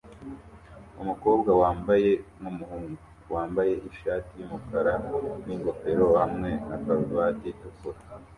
umukobwa wambaye nkumuhungu wambaye ishati yumukara ningofero hamwe na karuvati itukura